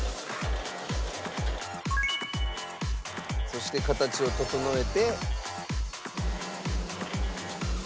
そして形を整えて。